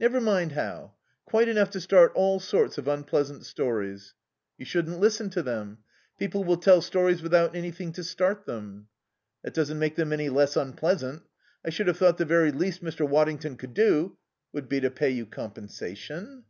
"Never mind how. Quite enough to start all sorts of unpleasant stories." "You shouldn't listen to them. People will tell stories without anything to start them." "That doesn't make them any less unpleasant. I should have thought the very least Mr. Waddington could do " "Would be to pay you compensation?"